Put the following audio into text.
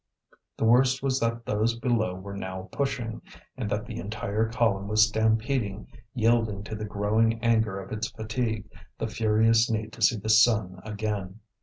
The worst was that those below were now pushing, and that the entire column was stampeding, yielding to the growing anger of its fatigue, the furious need to see the sun again.